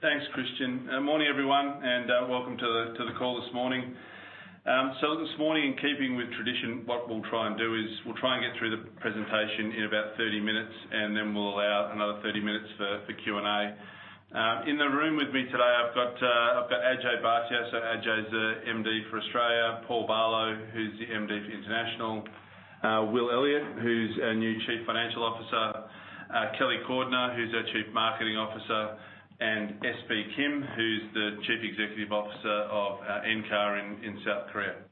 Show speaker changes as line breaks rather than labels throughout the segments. Thanks, Christian. Morning, everyone, and welcome to the call this morning. So this morning, in keeping with tradition, what we'll try and do is we'll try and get through the presentation in about thirty minutes, and then we'll allow another thirty minutes for Q&A. In the room with me today, I've got Ajay Bhatia, so Ajay's the MD for Australia, Paul Barlow, who's the MD for International, Will Elliott, who's our new Chief Financial Officer, Kellie Cordner, who's our Chief Marketing Officer, and S.B. Kim, who's the Chief Executive Officer of Encar in South Korea.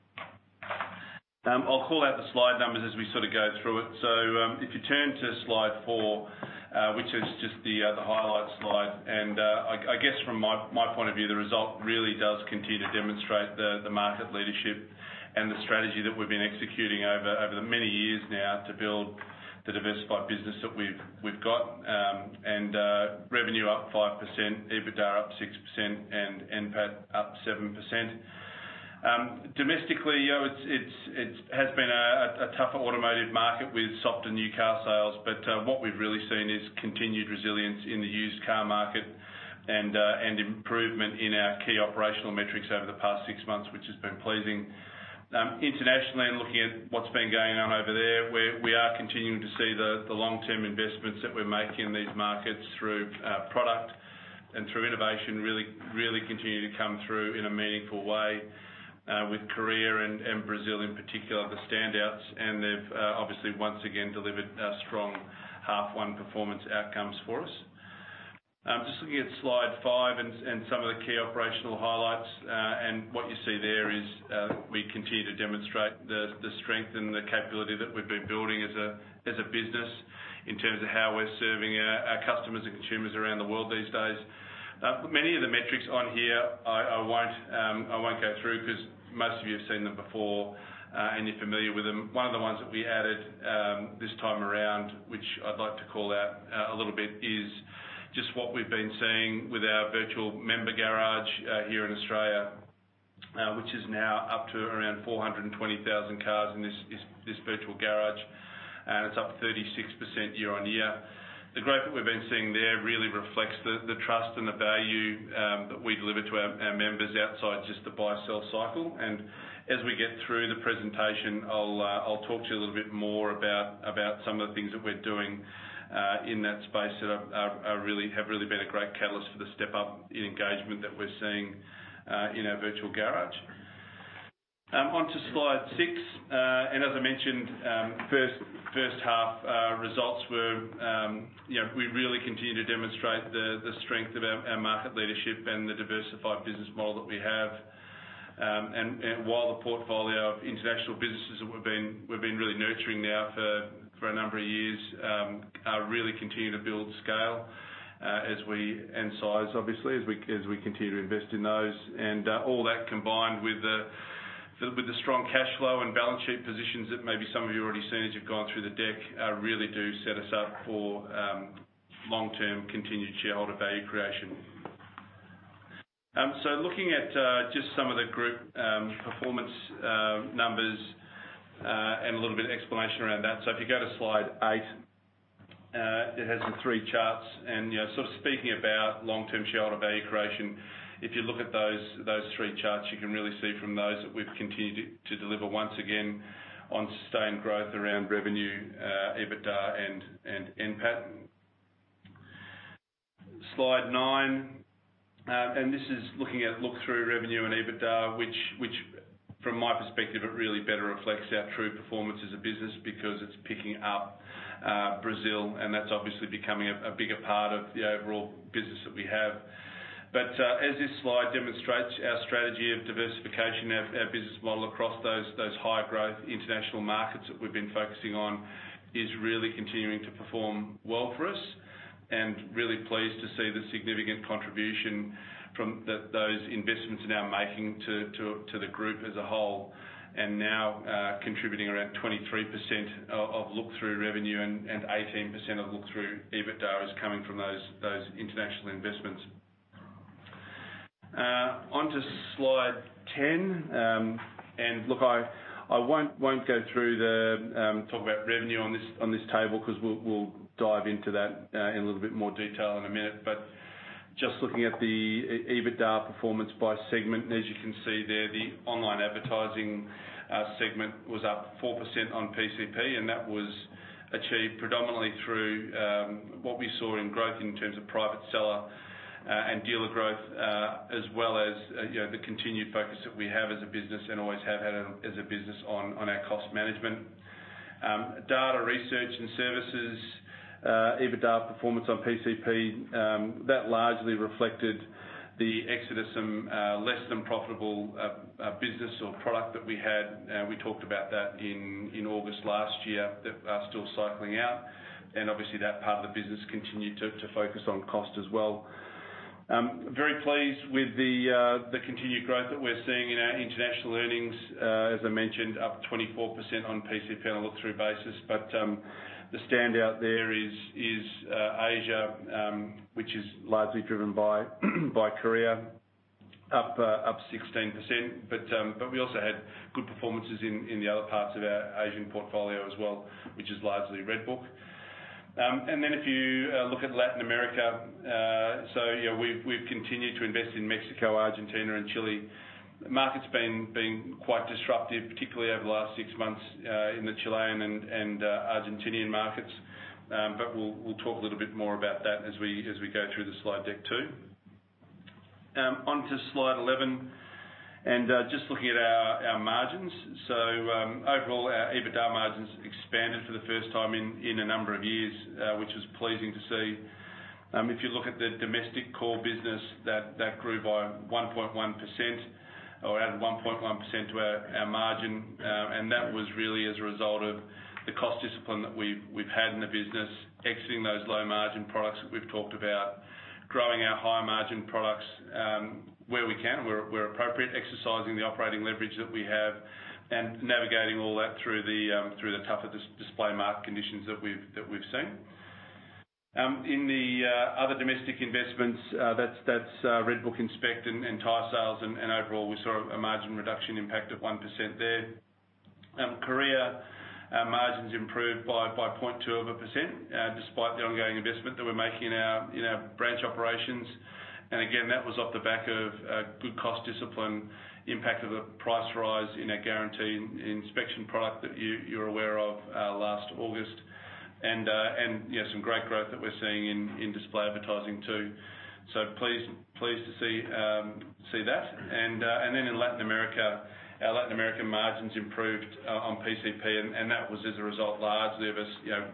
I'll call out the slide numbers as we sort of go through it. If you turn to Slide four, which is just the highlight slide, and I guess from my point of view, the result really does continue to demonstrate the market leadership and the strategy that we've been executing over the many years now to build the diversified business that we've got. Revenue up 5%, EBITDA up 6%, and NPAT up 7%. Domestically, you know, it has been a tougher automotive market with softer new Carsales, but what we've really seen is continued resilience in the used car market and improvement in our key operational metrics over the past six months, which has been pleasing. Internationally and looking at what's been going on over there, we are continuing to see the long-term investments that we're making in these markets through product and through innovation really continue to come through in a meaningful way with Korea and Brazil, in particular, the standouts, and they've obviously once again delivered strong half one performance outcomes for us. Just looking at Slide five and some of the key operational highlights, and what you see there is we continue to demonstrate the strength and the capability that we've been building as a business in terms of how we're serving our customers and consumers around the world these days. Many of the metrics on here, I won't go through, 'cause most of you have seen them before, and you're familiar with them. One of the ones that we added this time around, which I'd like to call out a little bit, is just what we've been seeing with our Virtual Member Garage here in Australia, which is now up to around four hundred and twenty thousand cars in this Virtual Member Garage, and it's up 36% year-on-year. The growth that we've been seeing there really reflects the trust and the value that we deliver to our members outside just the buy-sell cycle. And as we get through the presentation, I'll talk to you a little bit more about some of the things that we're doing in that space that really have really been a great catalyst for the step up in engagement that we're seeing in our virtual garage. On to Slide six, and as I mentioned, first half results were, you know, we really continue to demonstrate the strength of our market leadership and the diversified business model that we have. And while the portfolio of international businesses that we've been really nurturing now for a number of years are really continuing to build scale and size, obviously, as we continue to invest in those. And all that combined with the strong cash flow and balance sheet positions that maybe some of you already seen as you've gone through the deck really do set us up for long-term continued shareholder value creation. So looking at just some of the group performance numbers and a little bit of explanation around that. So if you go to Slide eight it has the three charts, and you know sort of speaking about long-term shareholder value creation, if you look at those three charts you can really see from those that we've continued to deliver once again on sustained growth around revenue, EBITDA and NPAT. Slide nine, and this is looking at look-through revenue and EBITDA, which from my perspective it really better reflects our true performance as a business because it's picking up Brazil, and that's obviously becoming a bigger part of the overall business that we have. But as this slide demonstrates, our strategy of diversification, our business model across those high-growth international markets that we've been focusing on is really continuing to perform well for us. And really pleased to see the significant contribution from that those investments are now making to the group as a whole, and now contributing around 23% of look-through revenue and 18% of look-through EBITDA is coming from those international investments. Onto Slide ten, and look, I won't go through talk about revenue on this table, 'cause we'll dive into that in a little bit more detail in a minute. But just looking at the EBITDA performance by segment, as you can see there, the online advertising segment was up 4% on PCP, and that was achieved predominantly through what we saw in growth in terms of private seller and dealer growth, as well as you know, the continued focus that we have as a business and always have had as a business on our cost management. Data research and services EBITDA performance on PCP that largely reflected the exodus from less than profitable business or product that we had. We talked about that in August last year, that are still cycling out, and obviously, that part of the business continued to focus on cost as well. Very pleased with the continued growth that we're seeing in our international earnings, as I mentioned, up 24% on PCP on a look-through basis. But the standout there is Asia, which is largely driven by Korea. Up 16%, but we also had good performances in the other parts of our Asian portfolio as well, which is largely RedBook. And then if you look at Latin America, so yeah, we've continued to invest in Mexico, Argentina, and Chile. The market's been quite disruptive, particularly over the last six months, in the Chilean and Argentinian markets. But we'll talk a little bit more about that as we go through the slide deck, too. Onto Slide 11, and just looking at our margins. So, overall, our EBITDA margins expanded for the first time in a number of years, which was pleasing to see. If you look at the domestic core business, that grew by 1.1% or added 1.1% to our margin. And that was really as a result of the cost discipline that we've had in the business, exiting those low-margin products that we've talked about, growing our high-margin products, where we can, where appropriate, exercising the operating leverage that we have, and navigating all that through the tougher display market conditions that we've seen. In the other domestic investments, that's RedBook Inspect and Tyresales, and overall, we saw a margin reduction impact of 1% there. Korea, our margins improved by 0.2%, despite the ongoing investment that we're making in our branch operations. And again, that was off the back of good cost discipline, impact of the price rise in our Guaranteed Inspection product that you're aware of last August. And yeah, some great growth that we're seeing in display advertising, too. So pleased to see that. Then in Latin America, our Latin America margins improved on PCP, and that was as a result, largely of us, you know,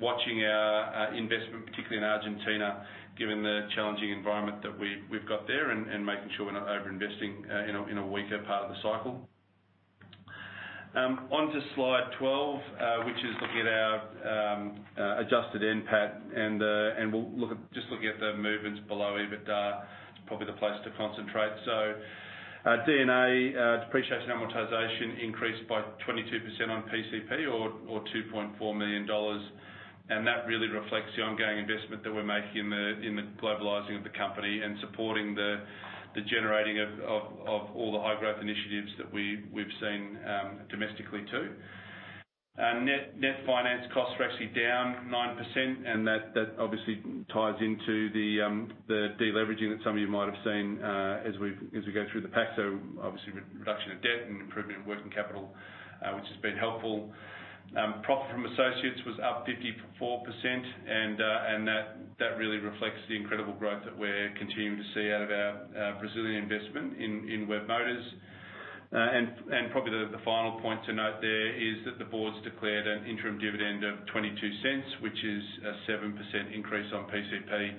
watching our investment, particularly in Argentina, given the challenging environment that we've got there, and making sure we're not overinvesting in a weaker part of the cycle. Onto Slide 12, which is looking at our adjusted NPAT, and we'll look at just looking at the movements below EBITDA, probably the place to concentrate. D&A, depreciation and amortization, increased by 22% on PCP or 2.4 million dollars, and that really reflects the ongoing investment that we're making in the globalizing of the company and supporting the generating of all the high-growth initiatives that we've seen domestically, too. Net net finance costs are actually down 9%, and that obviously ties into the deleveraging that some of you might have seen as we go through the pack. So obviously, reduction of debt and improvement in working capital, which has been helpful. Profit from associates was up 54%, and that really reflects the incredible growth that we're continuing to see out of our Brazilian investment in Webmotors. And probably the final point to note there is that the board's declared an interim dividend of 0.22, which is a 7% increase on PCP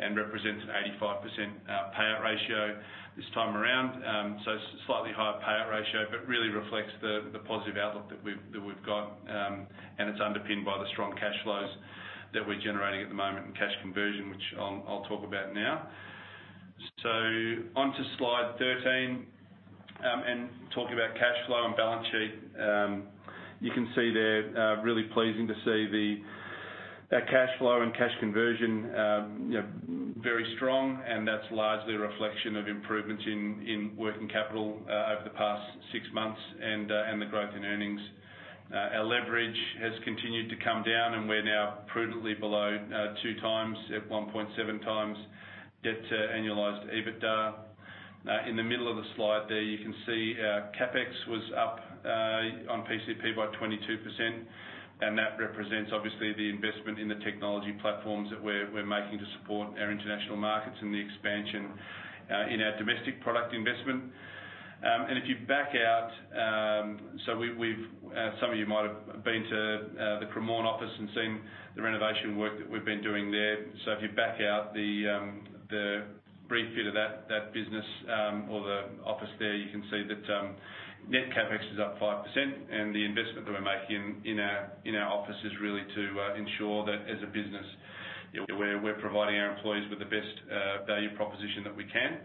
and represents an 85% payout ratio this time around. So slightly higher payout ratio, but really reflects the positive outlook that we've got, and it's underpinned by the strong cash flows that we're generating at the moment, and cash conversion, which I'll talk about now. So onto Slide 13, and talking about cash flow and balance sheet, you can see there, really pleasing to see the cash flow and cash conversion, you know, very strong, and that's largely a reflection of improvements in working capital over the past six months, and the growth in earnings. Our leverage has continued to come down, and we're now prudently below two times, at 1.7 times, debt to annualized EBITDA. In the middle of the slide there, you can see CapEx was up on PCP by 22%, and that represents, obviously, the investment in the technology platforms that we're making to support our international markets and the expansion in our domestic product investment. If you back out, some of you might have been to the Cremorne office and seen the renovation work that we've been doing there. If you back out the refit of that business or the office there, you can see that net CapEx is up 5%, and the investment that we're making in our office is really to ensure that as a business, we're providing our employees with the best value proposition that we can.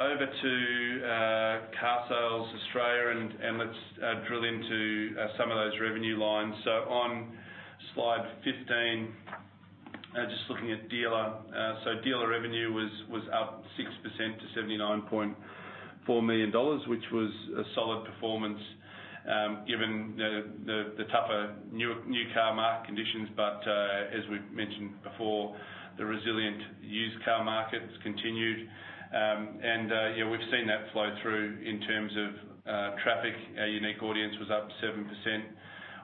Over to Carsales Australia, and let's drill into some of those revenue lines. So on Slide 15, just looking at dealer, so dealer revenue was up 6% to 79.4 million dollars, which was a solid performance, given the tougher new car market conditions. But as we've mentioned before, the resilient used car markets continued. And yeah, we've seen that flow through in terms of traffic. Our unique audience was up 7%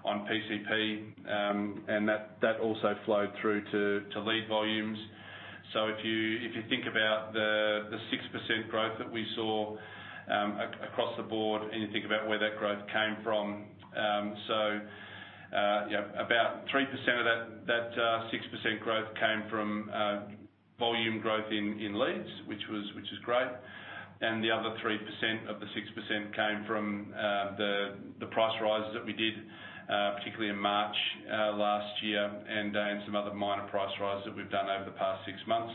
on PCP, and that also flowed through to lead volumes. So if you think about the 6% growth that we saw across the board, and you think about where that growth came from, yeah, about 3% of that 6% growth came from volume growth in leads, which is great. And the other 3% of the 6% came from the price rises that we did, particularly in March last year, and in some other minor price rises that we've done over the past six months.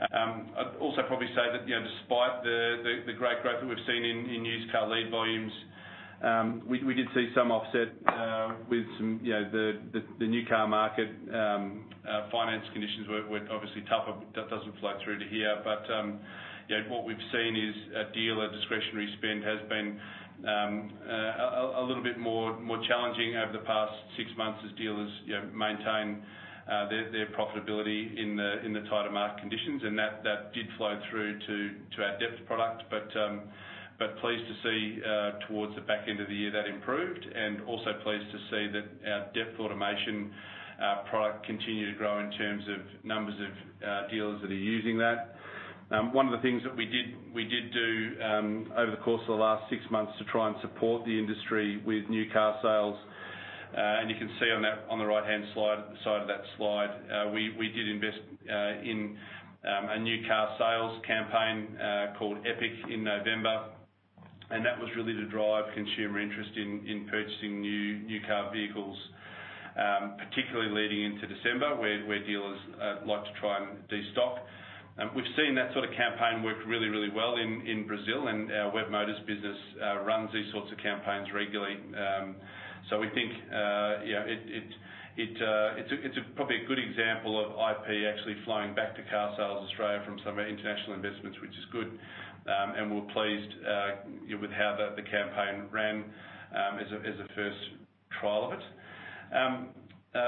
I'd also you know, despite the great growth that we've seen in used car lead volumes, we did see some offset with some you know, the new car market. Finance conditions were obviously tougher. That doesn't flow through to here, but you know, what we've seen is a dealer discretionary spend has been a little bit more challenging over the past six months as dealers you know maintain their profitability in the tighter market conditions, and that did flow through to our Depth product. But pleased to see towards the back end of the year that improved, and also pleased to see that our Depth automation product continue to grow in terms of numbers of dealers that are using that. One of the things that we did do over the course of the last six months to try and support the industry with new car sales, and you can see on the right-hand side of that slide, we did invest in a new car sales campaign called Epic in November. That was really to drive consumer interest in purchasing new car vehicles, particularly leading into December, where dealers like to try and de-stock. We've seen that sort of campaign work really, really well in Brazil, and our Webmotors business runs these sorts of campaigns regularly. So we think, you know, it's probably a good example of IP actually flowing back to Carsales Australia from some of our international investments, which is good. And we're pleased with how the campaign ran as a first trial of it.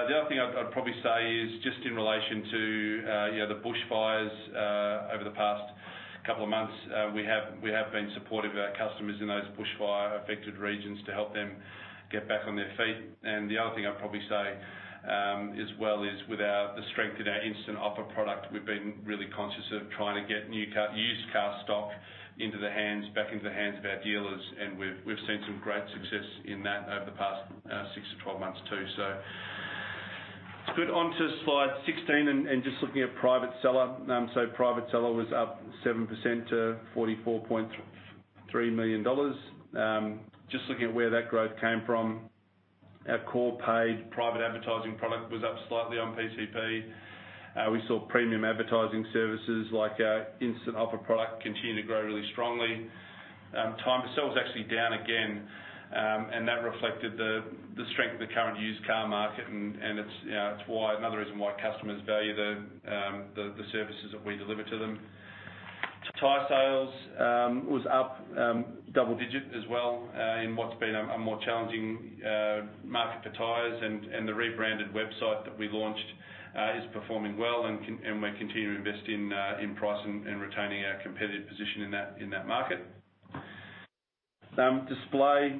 The other thing I'd probably say is just in relation to, you know, the bushfires over the past couple of months. We have been supportive of our customers in those bushfire-affected regions to help them get back on their feet. And the other thing I'd probably say, as well, is with our, the strength in our Instant Offer product, we've been really conscious of trying to get new car used car stock into the hands, back into the hands of our dealers, and we've seen some great success in that over the past six to 12 months, too. So it's good. On to Slide 16, and just looking at private seller. So private seller was up 7% to 44.3 million dollars. Just looking at where that growth came from, our core paid private advertising product was up slightly on PCP. We saw premium advertising services like our instant offer product continue to grow really strongly. Tyresales was actually down again, and that reflected the strength of the current used car market. It's, you know, it's why another reason why customers value the services that we deliver to them. Tyresales was up double digit as well in what's been a more challenging market for tires and the rebranded website that we launched is performing well, and we're continuing to invest in price and retaining our competitive position in that market. Display.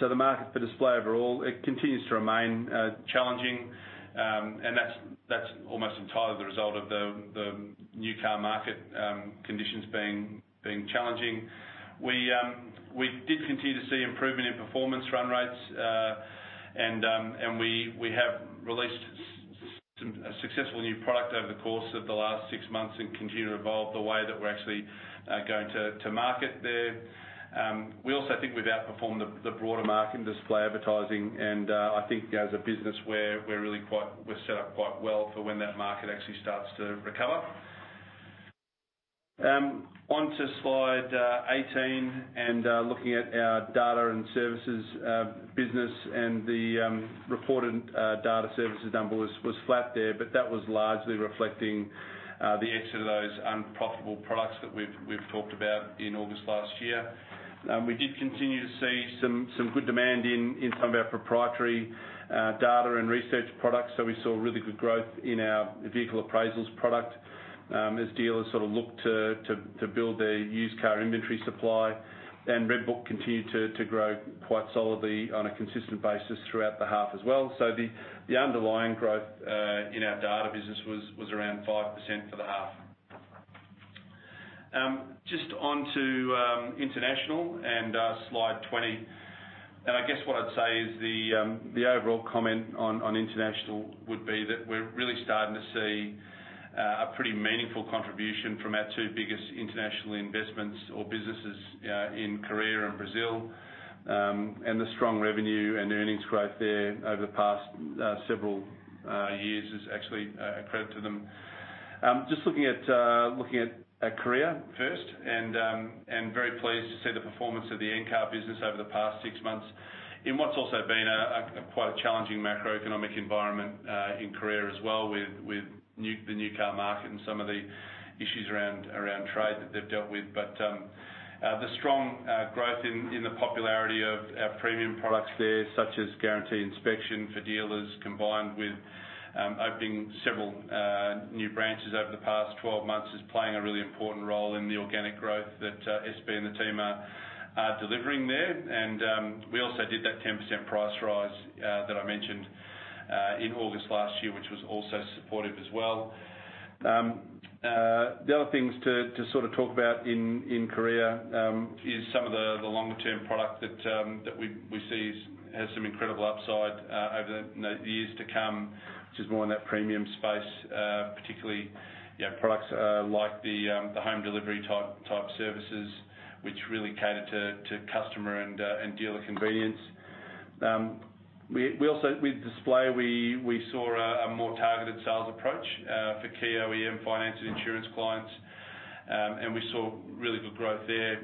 The market for display overall continues to remain challenging, and that's almost entirely the result of the new car market conditions being challenging. We did continue to see improvement in performance run rates, and we have released successful new product over the course of the last six months, and continue to evolve the way that we're actually going to market there. We also think we've outperformed the broader market in display advertising, and I think as a business, we're really quite set up quite well for when that market actually starts to recover. Onto slide 18, and looking at our data and services business, and the reported data services number was flat there, but that was largely reflecting the exit of those unprofitable products that we've talked about in August last year. We did continue to see some good demand in some of our proprietary data and research products, so we saw really good growth in our vehicle appraisals product, as dealers sort of looked to build their used car inventory supply, and RedBook continued to grow quite solidly on a consistent basis throughout the half as well, so the underlying growth in our data business was around 5% for the half. Just on to international and slide 20, and I guess what I'd say is the overall comment on international would be that we're really starting to see a pretty meaningful contribution from our two biggest international investments or businesses in Korea and Brazil. And the strong revenue and earnings growth there over the past several years is actually a credit to them. Just looking at Korea first, and very pleased to see the performance of the Encar business over the past six months, in what's also been a quite challenging macroeconomic environment in Korea as well with the new car market and some of the issues around trade that they've dealt with. But the strong growth in the popularity of our premium products there, such as Guaranteed Inspection for dealers, combined with opening several new branches over the past 12 months, is playing a really important role in the organic growth that SB and the team are delivering there. We also did that 10% price rise that I mentioned in August last year, which was also supportive as well. The other things to sort of talk about in Korea is some of the longer-term product that we see has some incredible upside over the years to come, which is more in that premium space. Particularly, you know, products like the home delivery type services, which really cater to customer and dealer convenience. We also, with display, we saw a more targeted sales approach for key OEM finance and insurance clients. And we saw really good growth there.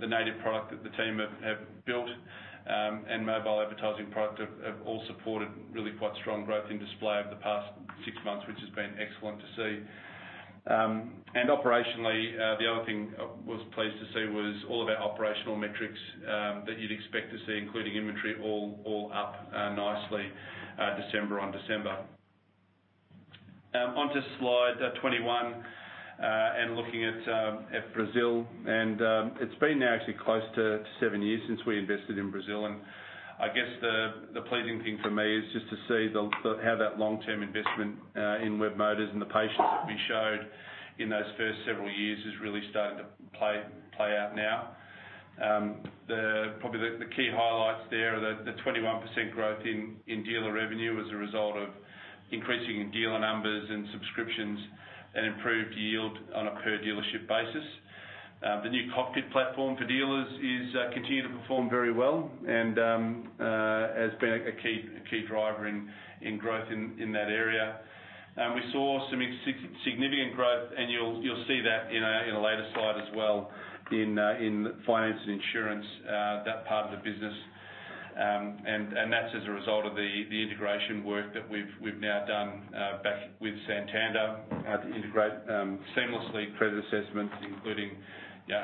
The native product that the team have built and mobile advertising product have all supported really quite strong growth in display over the past six months, which has been excellent to see. And operationally, the other thing I was pleased to see was all of our operational metrics that you'd expect to see, including inventory, all up nicely, December-on-December. Onto Slide 21 and looking at Brazil, and it's been now actually close to seven years since we invested in Brazil. And I guess the pleasing thing for me is just to see how that long-term investment in Webmotors and the patience that we showed in those first several years is really starting to play out now. Probably, the key highlights there are the 21% growth in dealer revenue as a result of increasing dealer numbers and subscriptions and improved yield on a per-dealership basis. The new Cockpit platform for dealers is continuing to perform very well and has been a key driver in growth in that area. We saw some significant growth, and you'll see that in a later slide as well, in finance and insurance, that part of the business. That's as a result of the integration work that we've now done back with Santander to integrate seamlessly credit assessments, including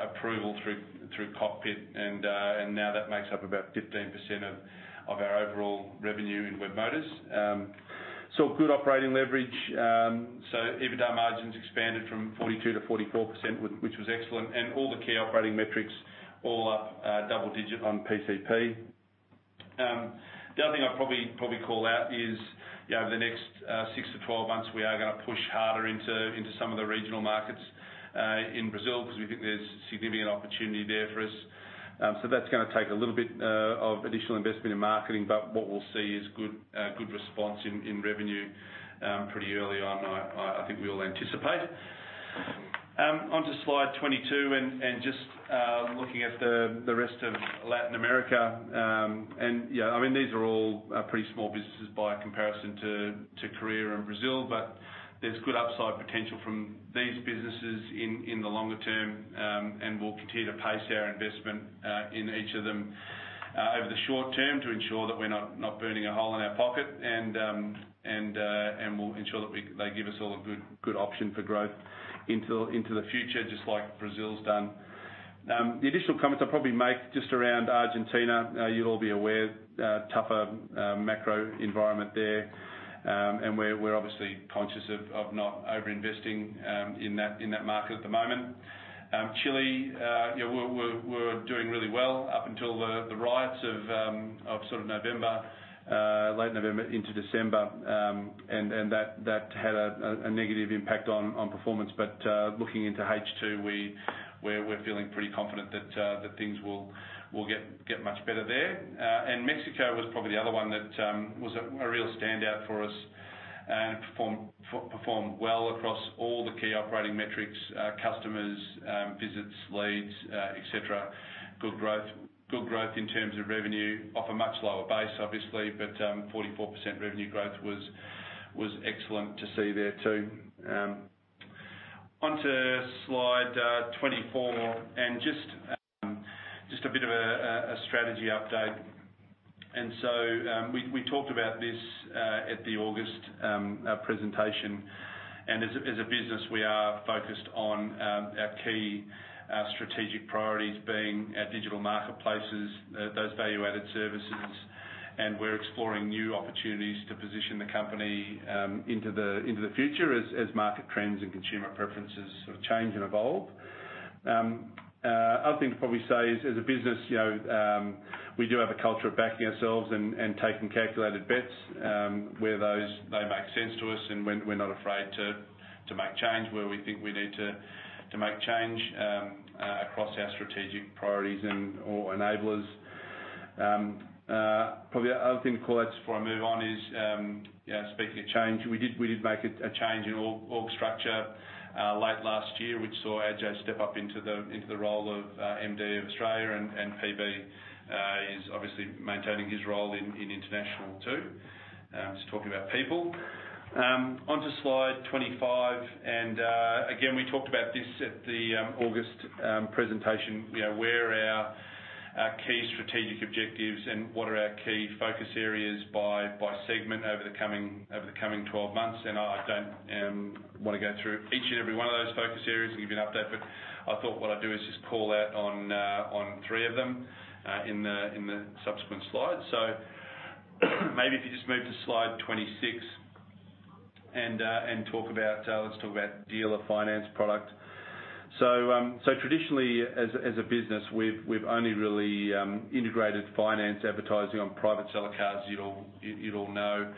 approval through Cockpit. Now that makes up about 15% of our overall revenue in Webmotors. Saw good operating leverage, so EBITDA margins expanded from 42% to 44%, which was excellent. All the key operating metrics are double digit on PCP. The other thing I'd probably call out is, you know, over the next six to 12 months, we are gonna push harder into some of the regional markets in Brazil, because we think there's significant opportunity there for us. So that's gonna take a little bit of additional investment in marketing, but what we'll see is good response in revenue pretty early on. I think we all anticipate. Onto slide 22, and just looking at the rest of Latin America. Yeah, I mean, these are all pretty small businesses by comparison to Korea and Brazil, but there's good upside potential from these businesses in the longer term. And we'll continue to pace our investment in each of them over the short term to ensure that we're not burning a hole in our pocket. And we'll ensure that they give us all a good option for growth into the future, just like Brazil's done. The additional comments I'll probably make just around Argentina. You'll all be aware, tougher macro environment there. And we're obviously conscious of not overinvesting in that market at the moment. Chile, yeah, we're doing really well up until the riots of sort of November, late November into December. And that had a negative impact on performance. But looking into H2, we're feeling pretty confident that things will get much better there. And Mexico was probably the other one that was a real standout for us and performed well across all the key operating metrics, customers, visits, leads, et cetera. Good growth in terms of revenue, off a much lower base, obviously, but 44% revenue growth was excellent to see there, too. Onto slide 24, and just a bit of a strategy update. And so, we talked about this at the August presentation. As a business, we are focused on our key strategic priorities, being our digital marketplaces, those value-added services, and we're exploring new opportunities to position the company into the future as market trends and consumer preferences sort of change and evolve. Other thing to probably say is, as a business, you know, we do have a culture of backing ourselves and taking calculated bets where they make sense to us, and we're not afraid to make change where we think we need to make change across our strategic priorities and or enablers. Probably the other thing to call out before I move on is, you know, speaking of change, we did make a change in org structure late last year, which saw AJ step up into the role of MD of Australia, and PB is obviously maintaining his role in international, too, just talking about people. Onto slide 25, and again, we talked about this at the August presentation. You know, where are our key strategic objectives and what are our key focus areas by segment over the coming twelve months? I don't want to go through each and every one of those focus areas and give you an update, but I thought what I'd do is just call out on three of them in the subsequent slides. So maybe if you just move to slide 26 and talk about, let's talk about dealer finance product. So traditionally, as a business, we've only really integrated finance advertising on private seller cars. You'd all know.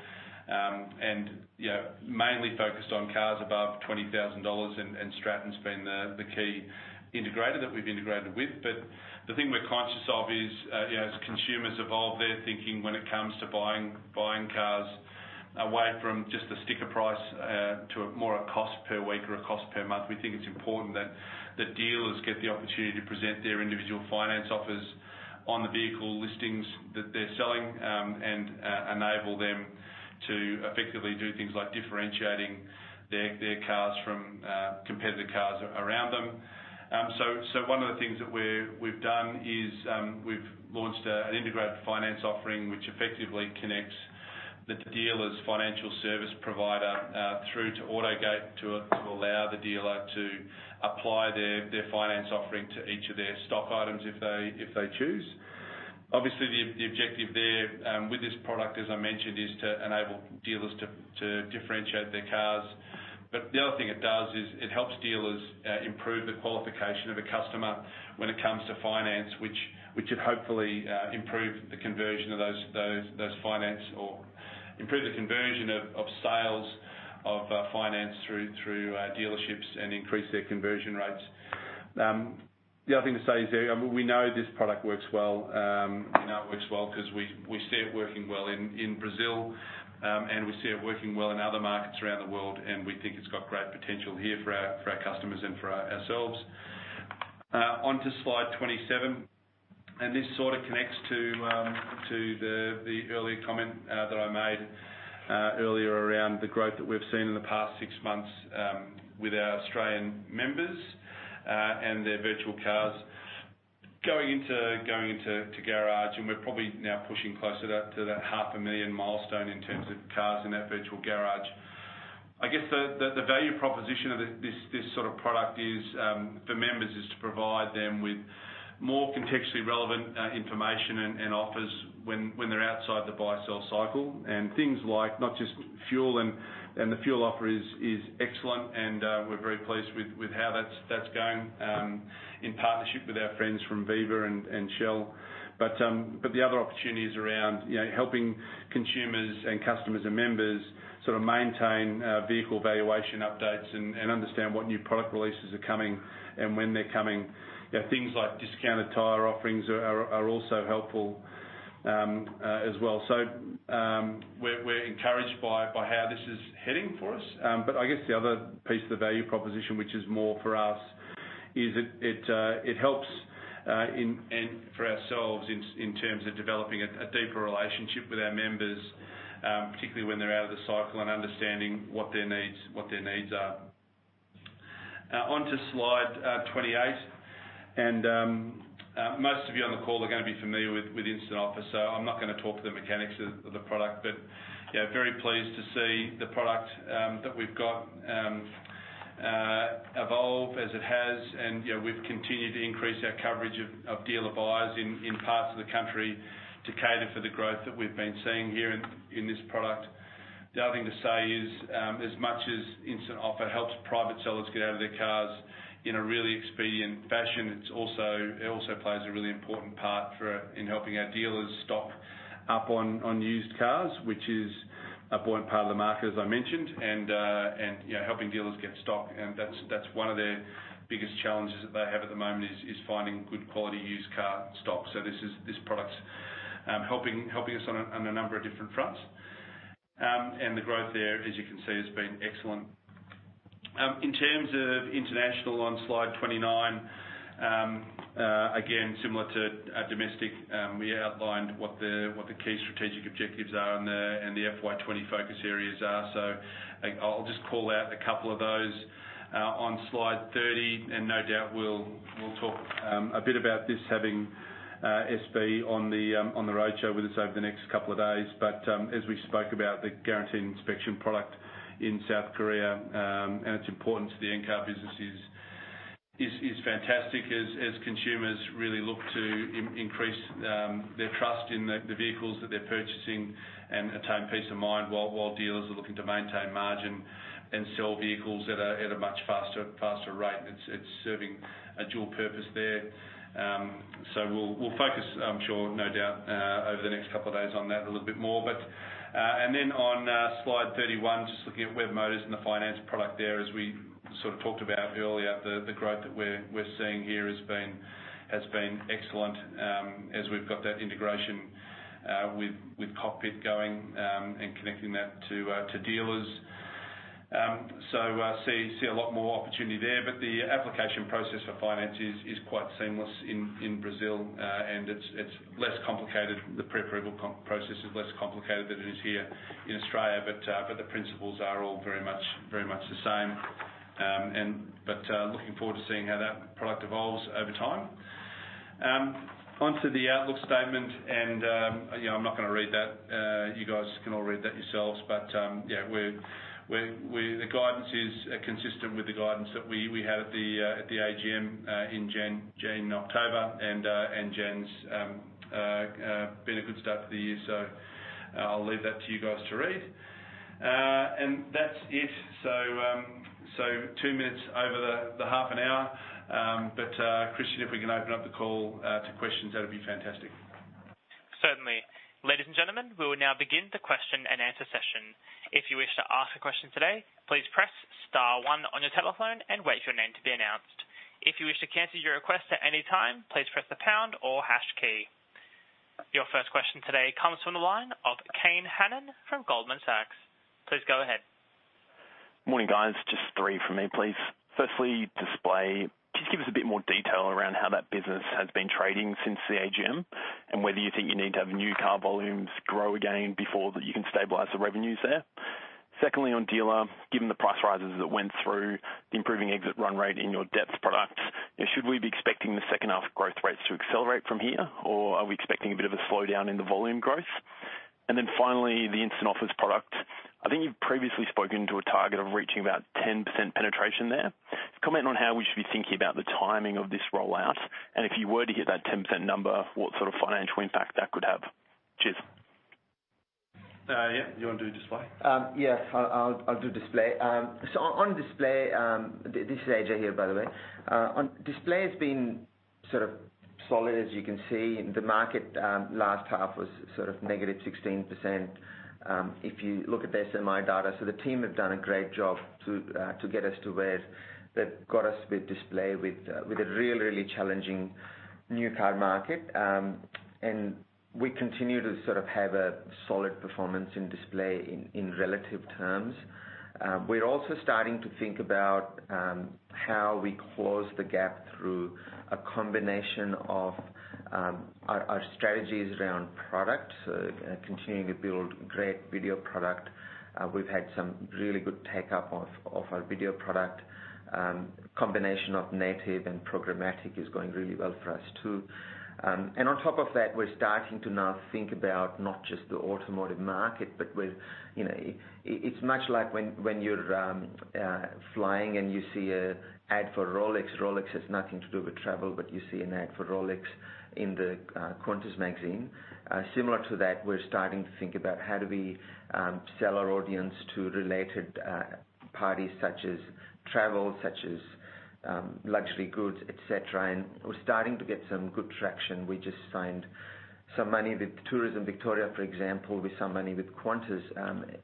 And you know, mainly focused on cars above 20,000 dollars, and Stratton's been the key integrator that we've integrated with. But the thing we're conscious of is, you know, as consumers evolve, their thinking when it comes to buying cars... away from just the sticker price to more a cost per week or a cost per month. We think it's important that dealers get the opportunity to present their individual finance offers on the vehicle listings that they're selling and enable them to effectively do things like differentiating their cars from competitor cars around them. So one of the things that we've done is we've launched an integrated finance offering, which effectively connects the dealer's financial service provider through to AutoGate to allow the dealer to apply their finance offering to each of their stock items if they choose. Obviously, the objective there with this product, as I mentioned, is to enable dealers to differentiate their cars. But the other thing it does is it helps dealers improve the qualification of a customer when it comes to finance, which should hopefully improve the conversion of those finance or improve the conversion of sales of finance through dealerships and increase their conversion rates. The other thing to say is that we know this product works well. We know it works well because we see it working well in Brazil and we see it working well in other markets around the world, and we think it's got great potential here for our customers and for ourselves. Onto Slide 27, and this sort of connects to the earlier comment that I made earlier around the growth that we've seen in the past six months with our Australian members and their virtual cars going into Garage, and we're probably now pushing closer to that 500,000 milestone in terms of cars in that virtual garage. I guess the value proposition of this sort of product is for members to provide them with more contextually relevant information and offers when they're outside the buy-sell cycle. And things like not just fuel and the fuel offer is excellent and we're very pleased with how that's going in partnership with our friends from Viva and Shell. But the other opportunities around, you know, helping consumers and customers and members sort of maintain vehicle valuation updates and understand what new product releases are coming and when they're coming. You know, things like discounted tire offerings are also helpful, as well. So, we're encouraged by how this is heading for us. But I guess the other piece of the value proposition, which is more for us, is it helps in and for ourselves in terms of developing a deeper relationship with our members, particularly when they're out of the cycle and understanding what their needs are. Onto Slide 28, and most of you on the call are gonna be familiar with Instant Offer, so I'm not gonna talk the mechanics of the product. But yeah, very pleased to see the product that we've got evolve as it has. And you know, we've continued to increase our coverage of dealer buyers in parts of the country to cater for the growth that we've been seeing here in this product. The other thing to say is, as much as Instant Offer helps private sellers get out of their cars in a really expedient fashion, it's also plays a really important part in helping our dealers stock up on used cars, which is an important part of the market, as I mentioned, and you know, helping dealers get stock. And that's one of the biggest challenges that they have at the moment is finding good quality used car stock. So this product's helping us on a number of different fronts. And the growth there, as you can see, has been excellent. In terms of international, on Slide 29, again, similar to our domestic, we outlined what the key strategic objectives are and the FY 20 focus areas are. So I'll just call out a couple of those on Slide 30, and no doubt we'll talk a bit about this, having S.B. on the roadshow with us over the next couple of days. But as we spoke about the Guaranteed Inspection product in South Korea, and its importance to the Encar business is fantastic, as consumers really look to increase their trust in the vehicles that they're purchasing and attain peace of mind, while dealers are looking to maintain margin and sell vehicles at a much faster rate. It's serving a dual purpose there. So we'll focus, I'm sure, no doubt, over the next couple of days on that a little bit more. But and then on Slide 31, just looking at Webmotors and the finance product there, as we sort of talked about earlier, the growth that we're seeing here has been excellent, as we've got that integration with Cockpit going and connecting that to dealers. So see a lot more opportunity there, but the application process for finance is quite seamless in Brazil, and it's less complicated, the pre-approval process is less complicated than it is here in Australia. But the principles are all very much the same, and looking forward to seeing how that product evolves over time. Onto the outlook statement, and you know, I'm not gonna read that. You guys can all read that yourselves. But, yeah, the guidance is consistent with the guidance that we had at the AGM in October, and January's been a good start to the year. So I'll leave that to you guys to read. And that's it. So, two minutes over the half an hour. But, Christian, if we can open up the call to questions, that'd be fantastic.
Certainly. Ladies and gentlemen, we will now begin the question-and-answer session. If you wish to ask a question today, please press star one on your telephone and wait for your name to be announced. If you wish to cancel your request at any time, please press the pound or hash key. Your first question today comes from the line of Kane Hannan from Goldman Sachs. Please go ahead.
Morning, guys. Just three from me, please. Firstly, display. Can you give us a bit more detail around how that business has been trading since the AGM, and whether you think you need to have new car volumes grow again before that you can stabilize the revenues there? Secondly, on dealer, given the price rises that went through the improving exit run rate in your depth products, should we be expecting the second half growth rates to accelerate from here, or are we expecting a bit of a slowdown in the volume growth? And then finally, the instant offers product. I think you've previously spoken to a target of reaching about 10% penetration there. Comment on how we should be thinking about the timing of this rollout, and if you were to hit that 10% number, what sort of financial impact that could have? Cheers.
Yeah, you want to do display?
Yes, I'll do display. So on display, this is AJ, here, by the way. On display has been sort of solid as you can see. The market last half was sort of negative 16%, if you look at the SMI data. So the team have done a great job to get us to where they've got us with display with a really challenging new car market. We continue to sort of have a solid performance in display in relative terms. We're also starting to think about how we close the gap through a combination of our strategies around product, continuing to build great video product. We've had some really good take-up of our video product. Combination of native and programmatic is going really well for us, too. And on top of that, we're starting to now think about not just the automotive market, but with... You know, it, it's much like when, when you're flying and you see an ad for Rolex. Rolex has nothing to do with travel, but you see an ad for Rolex in the Qantas magazine. Similar to that, we're starting to think about how do we sell our audience to related parties such as travel, such as luxury goods, et cetera. And we're starting to get some good traction. We just signed some money with Tourism Victoria, for example, with some money with Qantas.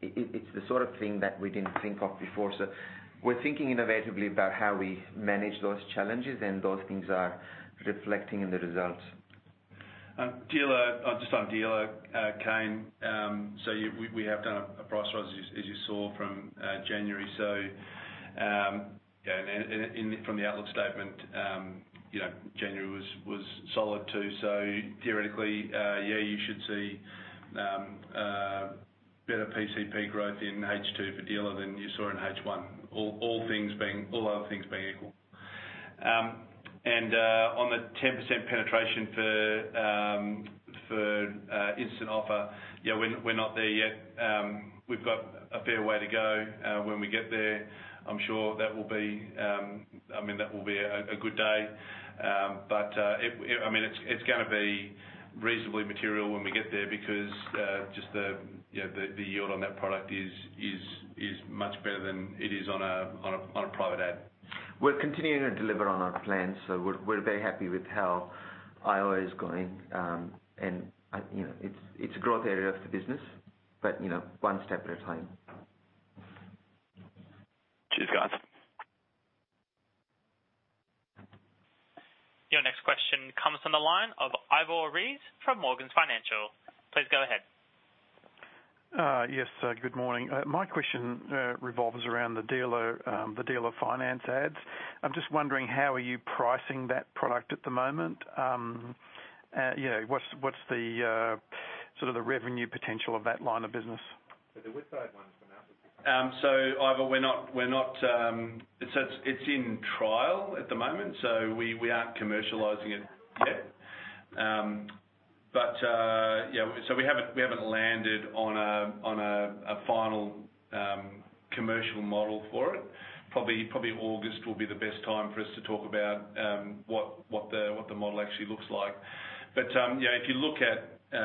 It, it's the sort of thing that we didn't think of before. So we're thinking innovatively about how we manage those challenges, and those things are reflecting in the results.
Dealer, just on dealer, Kane, so you- we, we have done a, a price rise as you, as you saw from, January. So, yeah, and, and from the outlook statement, you know, January was, was solid, too. So theoretically, yeah, you should see, better PCP growth in H2 for dealer than you saw in H1, all, all things being- all other things being equal. And, on the 10% penetration for, for, Instant Offer, yeah, we're not, we're not there yet. We've got a fair way to go. When we get there, I'm sure that will be, I mean, that will be a, a good day. But, I mean, it's gonna be reasonably material when we get there because just, you know, the yield on that product is much better than it is on a private ad.
We're continuing to deliver on our plans, so we're very happy with how IOA is going. You know, it's a growth area of the business, but you know, one step at a time.
Cheers, guys.
Your next question comes from the line of Ivor Ries from Morgans Financial. Please go ahead.
Yes, good morning. My question revolves around the dealer finance ads. I'm just wondering, how are you pricing that product at the moment? You know, what's the sort of the revenue potential of that line of business?
So Ivor, we're not. It's in trial at the moment, so we aren't commercializing it yet. But yeah, so we haven't landed on a final commercial model for it. Probably August will be the best time for us to talk about what the model actually looks like. But yeah, if you look at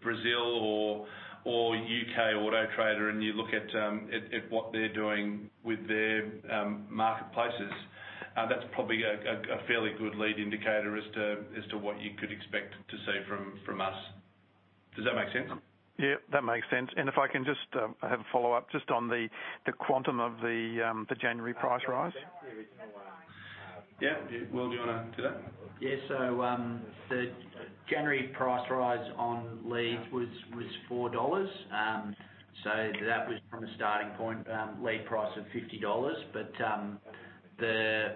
Brazil or UK Auto Trader and you look at what they're doing with their marketplaces, that's probably a fairly good lead indicator as to what you could expect to see from us. Does that make sense?
Yeah, that makes sense. And if I can just have a follow-up just on the quantum of the January price rise?
Yeah, Will, do you want to do that?
Yeah. So, the January price rise on leads was 4 dollars, so that was from a starting point, lead price of 50 dollars. But,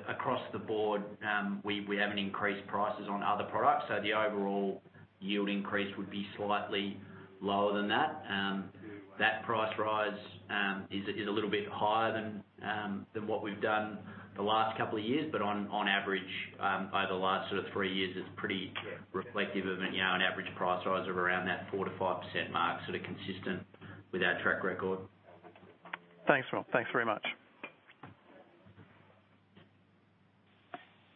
across the board, we haven't increased prices on other products, so the overall yield increase would be slightly lower than that. That price rise is a little bit higher than what we've done the last couple of years, but on average, over the last sort of three years, it's pretty reflective of, you know, an average price rise of around that 4%-5% mark, sort of consistent with our track record.
Thanks, Will. Thanks very much.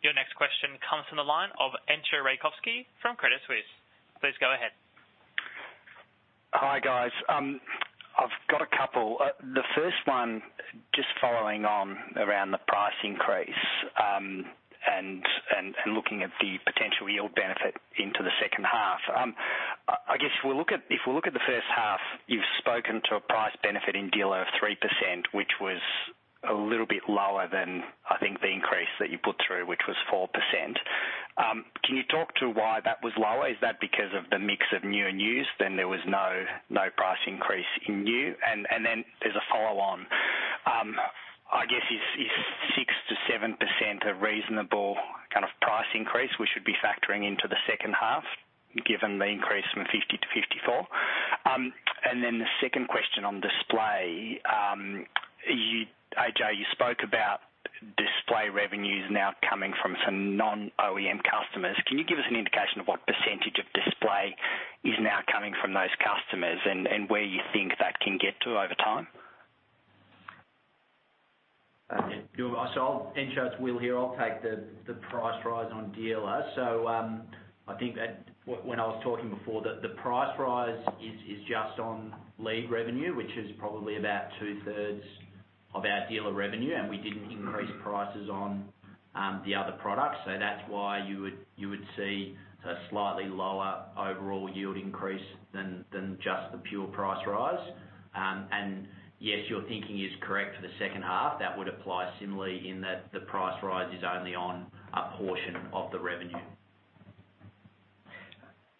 Your next question comes from the line of Anshul Rajkhowa from Credit Suisse. Please go ahead.
Hi, guys. I've got a couple. The first one, just following on around the price increase, and looking at the potential yield benefit. If we look at the first half, you've spoken to a price benefit in dealer of 3%, which was a little bit lower than, I think, the increase that you put through, which was 4%. Can you talk to why that was lower? Is that because of the mix of new and used, then there was no price increase in new? And then there's a follow on. I guess, is 6%-7% a reasonable kind of price increase we should be factoring into the second half, given the increase from 50 to 54? And then the second question on display. You, AJ, you spoke about display revenues now coming from some non-OEM customers. Can you give us an indication of what percentage of display is now coming from those customers, and where you think that can get to over time?
Yeah. So I'll. Anshul, it's Will here. I'll take the price rise on dealer. So, I think that when I was talking before, the price rise is just on lead revenue, which is probably about two-thirds of our dealer revenue, and we didn't increase prices on the other products. So that's why you would see a slightly lower overall yield increase than just the pure price rise. And yes, your thinking is correct for the second half. That would apply similarly in that the price rise is only on a portion of the revenue.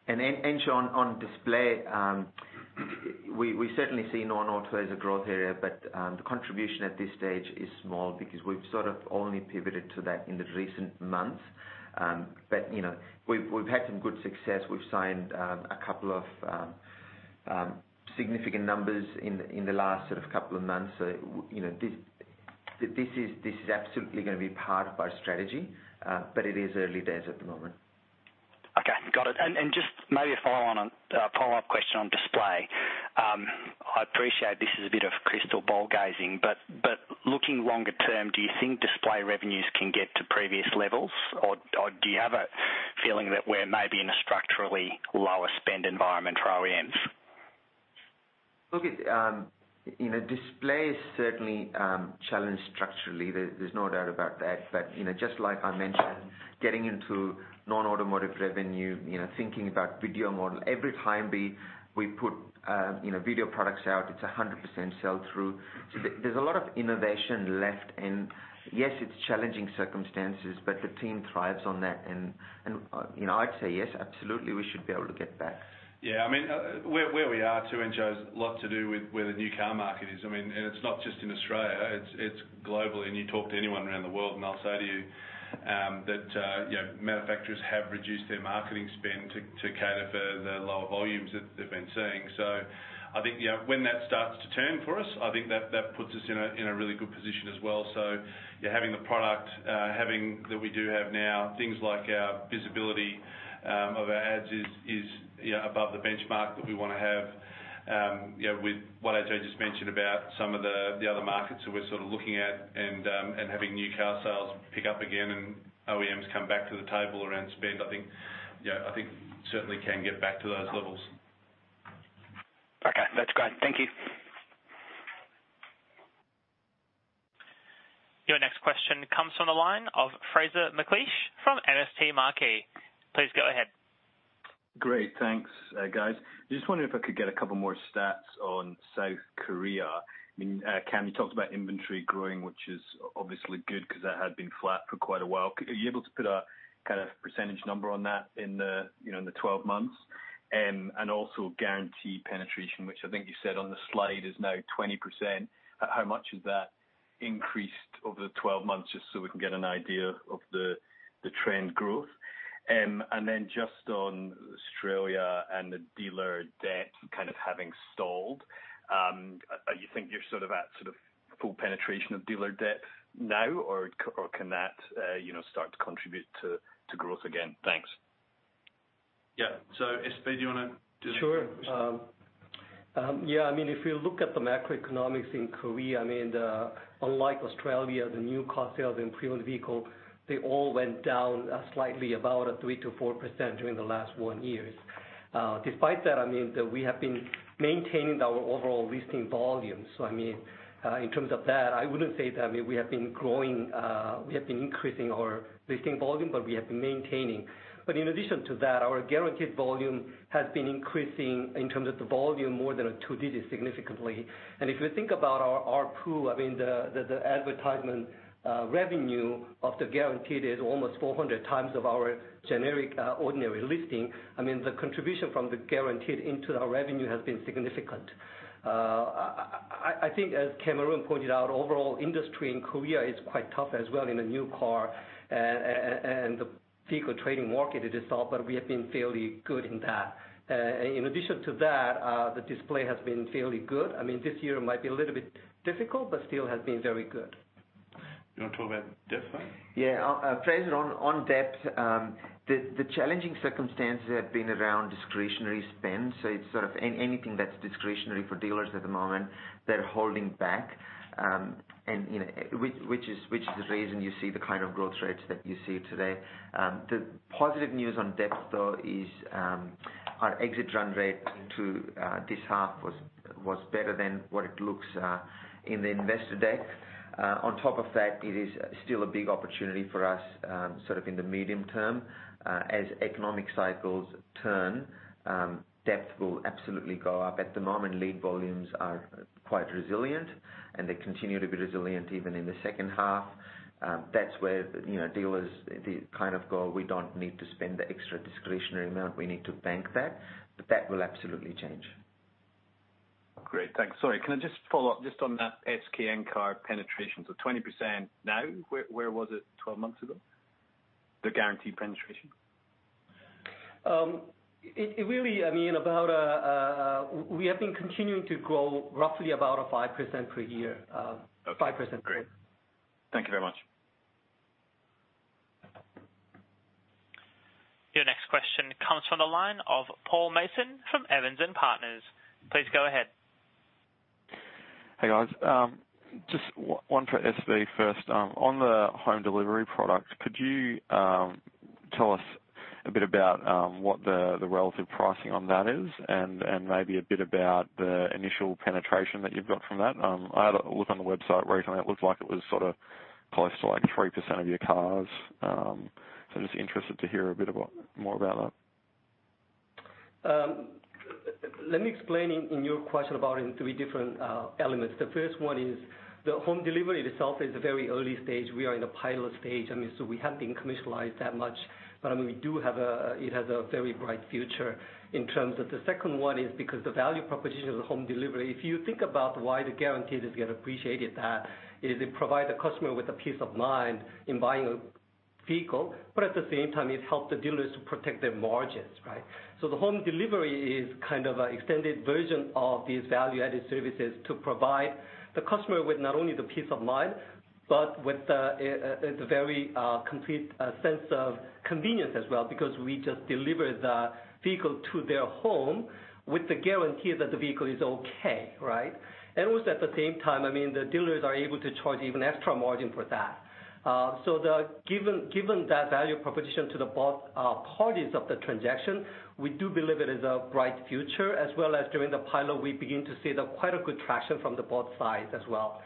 And then Encar, on display, we certainly see non-auto as a growth area, but the contribution at this stage is small because we've sort of only pivoted to that in the recent months. But you know, we've had some good success. We've signed a couple of significant numbers in the last sort of couple of months. So you know, this is absolutely gonna be part of our strategy, but it is early days at the moment.
Okay, got it. And just maybe a follow on, a follow-up question on display. I appreciate this is a bit of crystal ball gazing, but looking longer term, do you think display revenues can get to previous levels? Or do you have a feeling that we're maybe in a structurally lower spend environment for OEMs?
Look at, you know, display is certainly challenged structurally. There's no doubt about that. But, you know, just like I mentioned, getting into non-automotive revenue, you know, thinking about video model, every time we put, you know, video products out, it's 100% sell through. So there's a lot of innovation left and, yes, it's challenging circumstances, but the team thrives on that. And, you know, I'd say yes, absolutely, we should be able to get back.
Yeah, I mean, where we are too, Encar, has a lot to do with where the new car market is. I mean, and it's not just in Australia, it's globally. And you talk to anyone around the world, and they'll say to you, that, you know, manufacturers have reduced their marketing spend to cater for the lower volumes that they've been seeing. So I think, you know, when that starts to turn for us, I think that puts us in a really good position as well. So, yeah, having the product, having that we do have now, things like our visibility of our ads is, you know, above the benchmark that we wanna have. You know, with what AJ just mentioned about some of the other markets that we're sort of looking at and, and having new car sales pick up again and OEMs come back to the table around spend, I think, you know, I think certainly can get back to those levels.
Okay, that's great. Thank you.
Your next question comes from the line of Fraser McLeish from MST Marquee. Please go ahead.
Great. Thanks, guys. Just wondering if I could get a couple more stats on South Korea. I mean, Cam, you talked about inventory growing, which is obviously good, because that had been flat for quite a while. Are you able to put a kind of percentage number on that in the, you know, in the twelve months? And also Guaranteed penetration, which I think you said on the slide, is now 20%. How much has that increased over the twelve months, just so we can get an idea of the trend growth? And then just on Australia and the dealer depth kind of having stalled, you think you're sort of at sort of full penetration of dealer depth now, or can that, you know, start to contribute to growth again? Thanks.
Yeah. So SB, do you wanna do the-
Sure. Yeah, I mean, if you look at the macroeconomics in Korea, I mean, unlike Australia, the new car sales and pre-owned vehicle, they all went down slightly about 3-4% during the last one year. Despite that, I mean, we have been maintaining our overall leasing volume. So I mean, in terms of that, I wouldn't say that, I mean, we have been growing, we have been increasing our leasing volume, but we have been maintaining. But in addition to that, our guaranteed volume has been increasing in terms of the volume, more than a two digit significantly. And if you think about our pool, I mean, the advertisement revenue of the guaranteed is almost 400 times of our generic ordinary listing. I mean, the contribution from the guaranteed into our revenue has been significant. I think as Cameron pointed out, overall industry in Korea is quite tough as well in the new car, and the vehicle trading market it is all, but we have been fairly good in that. In addition to that, the display has been fairly good. I mean, this year might be a little bit difficult, but still has been very good.
You want to talk about depth then?
Yeah, Fraser, on depth, the challenging circumstances have been around discretionary spend, so it's sort of anything that's discretionary for dealers at the moment, they're holding back. And, you know, which is the reason you see the kind of growth rates that you see today. The positive news on depth, though, is, our exit run rate into this half was better than what it looks in the investor deck. On top of that, it is still a big opportunity for us, sort of in the medium term. As economic cycles turn, depth will absolutely go up. At the moment, lead volumes are quite resilient, and they continue to be resilient even in the second half. That's where, you know, dealers they kind of go, "We don't need to spend the extra discretionary amount. We need to bank that." But that will absolutely change.
Great, thanks. Sorry, can I just follow up just on that Encar penetration? So 20% now, where, where was it 12 months ago, the guaranteed penetration?
It really, I mean, we have been continuing to grow roughly about 5% per year.
Okay.
5% growth.
Great. Thank you very much.
Your next question comes from the line of Paul Mason from Evans and Partners. Please go ahead.
Hey, guys. Just one for SB first. On the home delivery product, could you tell us a bit about what the relative pricing on that is, and maybe a bit about the initial penetration that you've got from that? I had a look on the website recently. It looked like it was sort of close to, like, 3% of your cars. So just interested to hear a bit more about that.
Let me explain in your question about three different elements. The first one is the home delivery itself is a very early stage. We are in a pilot stage. I mean, so we haven't been commercialized that much, but, I mean, we do have it has a very bright future in terms of... The second one is because the value proposition of the home delivery, if you think about why the guarantee has get appreciated, that is it provide the customer with a peace of mind in buying a vehicle, but at the same time, it helps the dealers to protect their margins, right? So the home delivery is kind of an extended version of these value-added services to provide the customer with not only the peace of mind, but with the very complete sense of convenience as well. Because we just deliver the vehicle to their home with the guarantee that the vehicle is okay, right? And also at the same time, I mean, the dealers are able to charge even extra margin for that. So given that value proposition to the both parties of the transaction, we do believe it is a bright future, as well as during the pilot, we begin to see quite a good traction from the both sides as well.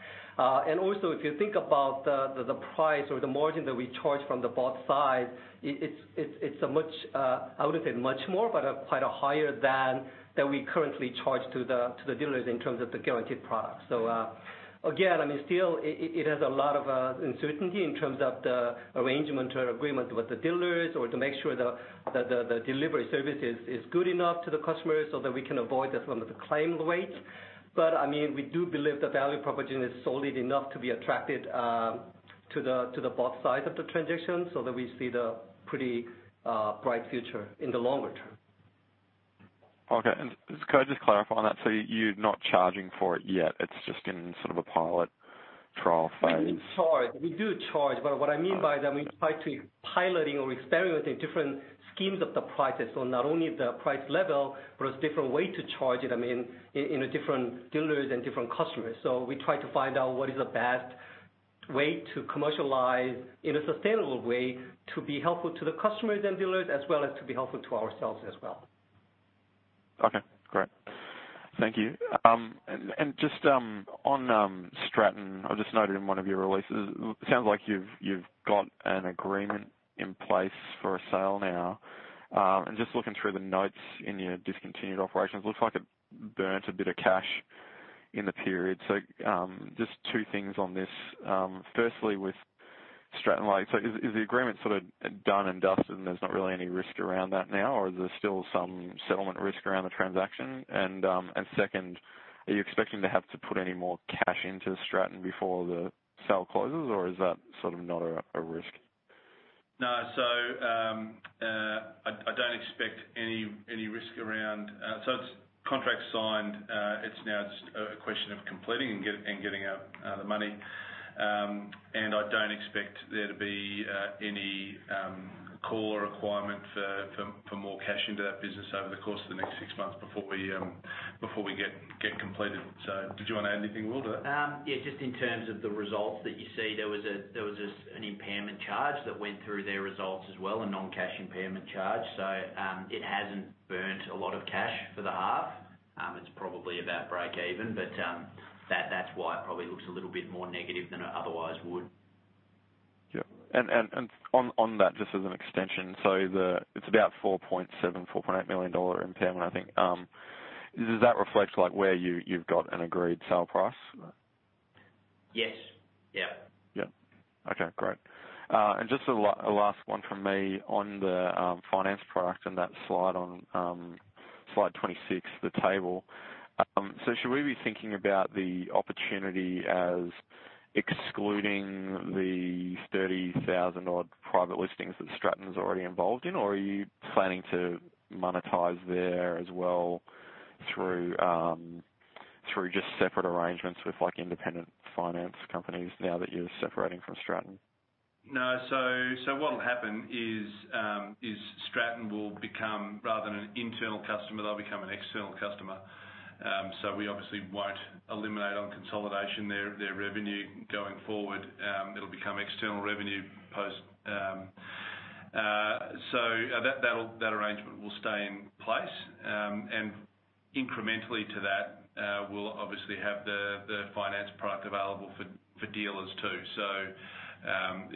And also, if you think about the price or the margin that we charge from the both sides, it's a much, I wouldn't say much more, but quite a higher than we currently charge to the dealers in terms of the guaranteed product. So, again, I mean, still, it has a lot of uncertainty in terms of the arrangement or agreement with the dealers or to make sure that the delivery service is good enough to the customers so that we can avoid some of the claim rate. But, I mean, we do believe the value proposition is solid enough to be attracted to the both sides of the transaction, so that we see the pretty bright future in the longer term.
Okay. And just could I just clarify on that? So you're not charging for it yet, it's just in sort of a pilot trial phase?
We charge. We do charge, but what I mean by that, we try to piloting or experimenting different schemes of the prices. So not only the price level, but a different way to charge it, I mean, in different dealers and different customers. So we try to find out what is the best way to commercialize in a sustainable way to be helpful to the customers and dealers, as well as to be helpful to ourselves as well.
Okay, great. Thank you, and just on Stratton, I just noted in one of your releases, it sounds like you've got an agreement in place for a sale now, and just looking through the notes in your discontinued operations, it looks like it burned a bit of cash in the period, so just two things on this. Firstly, with Stratton, right, is the agreement sort of done and dusted and there's not really any risk around that now, or is there still some settlement risk around the transaction? And second, are you expecting to have to put any more cash into Stratton before the sale closes, or is that sort of not a risk?
No. So, I don't expect any risk around. So it's contract signed, it's now just a question of completing and getting out the money. And I don't expect there to be any call or requirement for more cash into that business over the course of the next six months before we get completed. So did you want to add anything, Will, to that?
Yeah, just in terms of the results that you see, there was just an impairment charge that went through their results as well, a non-cash impairment charge. So, it hasn't burnt a lot of cash for the half. It's probably about break even, but that's why it probably looks a little bit more negative than it otherwise would.
Yeah. And on that, just as an extension, so it's about 4.7 to 4.8 million-dollar impairment, I think. Does that reflect, like, where you've got an agreed sale price?
Yes. Yeah.
Yeah. Okay, great, and just a last one from me on the finance product and that slide on slide 26, the table, so should we be thinking about the opportunity as excluding the 30,000-odd private listings that Stratton is already involved in, or are you planning to monetize there as well through just separate arrangements with, like, independent finance companies now that you're separating from Stratton?...
No, so what will happen is, Stratton will become, rather than an internal customer, they'll become an external customer. So we obviously won't eliminate on consolidation their revenue going forward, it'll become external revenue post. So, that arrangement will stay in place. And incrementally to that, we'll obviously have the finance product available for dealers too. So,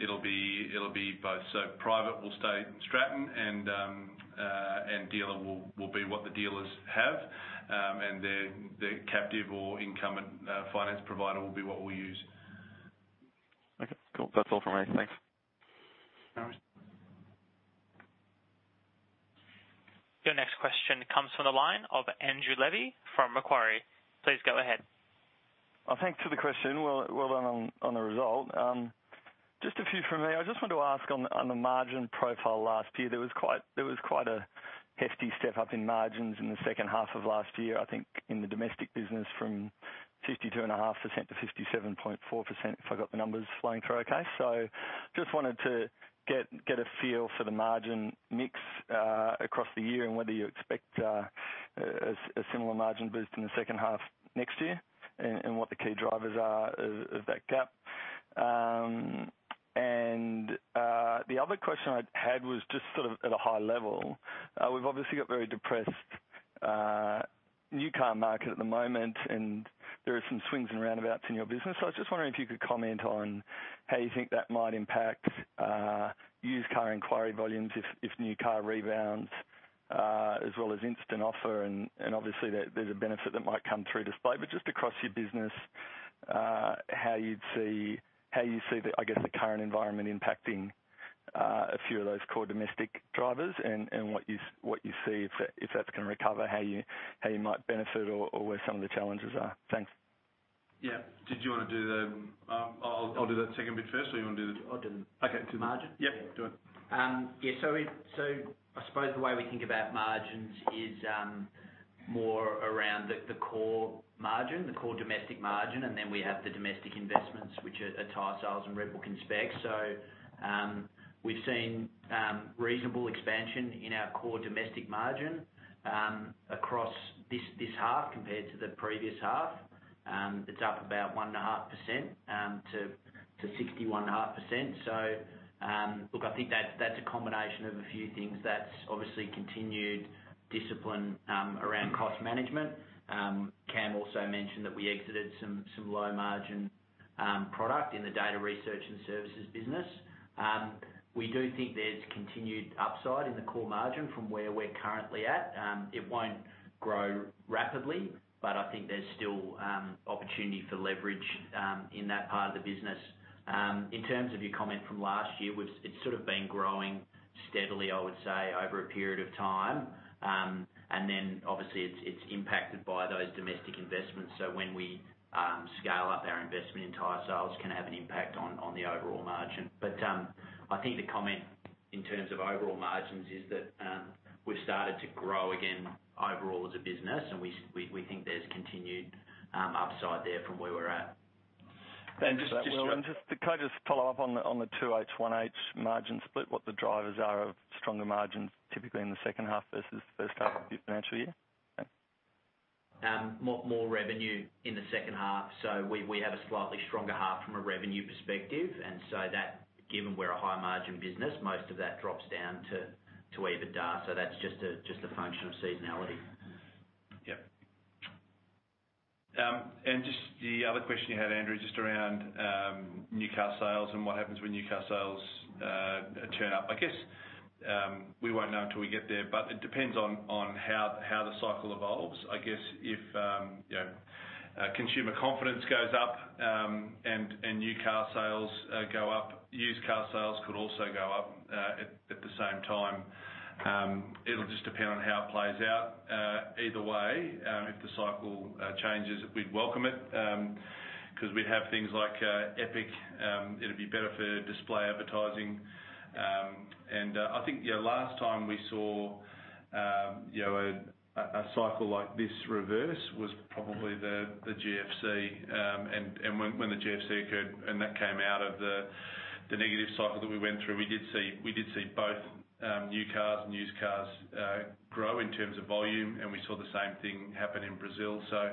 it'll be both. So private will stay Stratton, and dealer will be what the dealers have, and their captive or incumbent finance provider will be what we use.
Okay, cool. That's all for me. Thanks.
No worries.
Your next question comes from the line of Andrew Levy from Macquarie. Please go ahead.
Well, thanks for the question. Well done on the result. Just a few from me. I just wanted to ask on the margin profile last year. There was quite a hefty step-up in margins in the second half of last year, I think, in the domestic business from 52.5% to 77.4%, if I got the numbers flowing through okay. So just wanted to get a feel for the margin mix across the year and whether you expect a similar margin boost in the second half next year, and what the key drivers are of that gap. And the other question I had was just sort of at a high level. We've obviously got a very depressed new car market at the moment, and there are some swings and roundabouts in your business. So I was just wondering if you could comment on how you think that might impact used car inquiry volumes if new car rebounds as well as instant offer, and obviously there's a benefit that might come through display. But just across your business, how you see, I guess, the current environment impacting a few of those core domestic drivers and what you see if that's going to recover, how you might benefit or where some of the challenges are? Thanks.
Yeah. Did you want to do the... I'll do that second bit first, or you want to do the-
I'll do the-
Okay.
Margin?
Yeah, do it.
Yeah, so I suppose the way we think about margins is more around the core margin, the core domestic margin, and then we have the domestic investments, which are Tyresales and RedBook and spares. So, we've seen reasonable expansion in our core domestic margin across this half compared to the previous half. It's up about 1.5% to 61.5%. So, look, I think that's a combination of a few things. That's obviously continued discipline around cost management. Cam also mentioned that we exited some low-margin product in the data research and services business. We do think there's continued upside in the core margin from where we're currently at. It won't grow rapidly, but I think there's still opportunity for leverage in that part of the business. In terms of your comment from last year, it's sort of been growing steadily, I would say, over a period of time. And then obviously it's impacted by those domestic investments. So when we scale up our investment in tire sales, can have an impact on the overall margin. But I think the comment in terms of overall margins is that we've started to grow again overall as a business, and we think there's continued upside there from where we're at.
And just.
And just-...
Can I just follow up on the 2H, 1H margin split, what the drivers are of stronger margins, typically in the second half versus the first half of the financial year? Thanks.
More revenue in the second half. So we have a slightly stronger half from a revenue perspective, and so that, given we're a high-margin business, most of that drops down to EBITDA, so that's just a function of seasonality.
Yep. And just the other question you had, Andrew, just around new car sales and what happens when new car sales turn up. I guess we won't know until we get there, but it depends on how the cycle evolves. I guess if you know consumer confidence goes up and new car sales go up, used car sales could also go up at the same time. It'll just depend on how it plays out. Either way, if the cycle changes, we'd welcome it 'cause we'd have things like Epic. It'll be better for display advertising. I think, you know, last time we saw, you know, a cycle like this reverse was probably the GFC, and when the GFC occurred, and that came out of the negative cycle that we went through, we did see, we did see both new cars and used cars grow in terms of volume, and we saw the same thing happen in Brazil. So,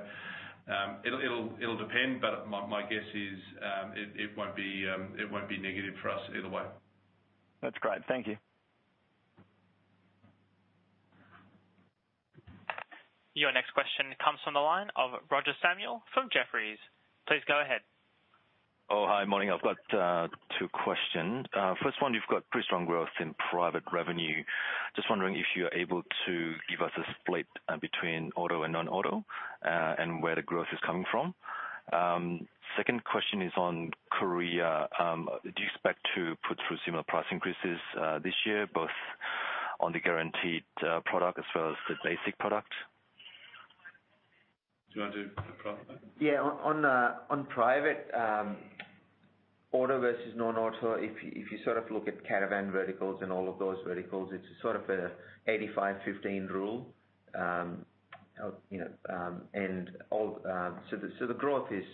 it'll depend, but my guess is, it won't be negative for us either way. That's great. Thank you.
Your next question comes from the line of Roger Samuel from Jefferies. Please go ahead.
Oh, hi, morning. I've got two question. First one, you've got pretty strong growth in private revenue. Just wondering if you're able to give us a split between auto and non-auto, and where the growth is coming from? Second question is on Korea. Do you expect to put through similar price increases this year, both on the guaranteed product as well as the basic product?
Do you want to do the private part?
Yeah, on private auto versus non-auto, if you sort of look at caravan verticals and all of those verticals, it's sort of an 85-15 rule.... you know, and all, so the growth is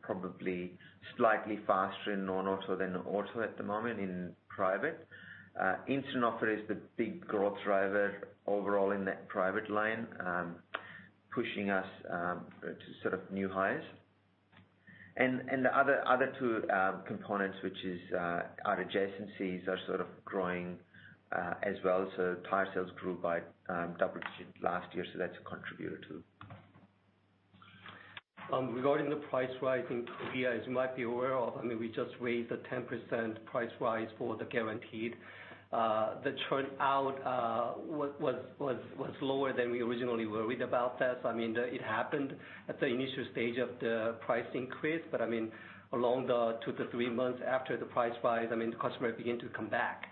probably slightly faster in non-auto than auto at the moment in private. Instant Offer is the big growth driver overall in that private line, pushing us to sort of new highs. And the other two components, which is our adjacencies are sort of growing as well. So tire sales grew by double digits last year, so that's a contributor, too.
Regarding the price rising, yeah, as you might be aware of, I mean, we just raised a 10% price rise for the guaranteed. The turnout was lower than we originally worried about that. I mean, it happened at the initial stage of the price increase, but I mean, along the two-to-three months after the price rise, I mean, the customer began to come back.